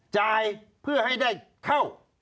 จ่ายเพื่อให้ได้เข้า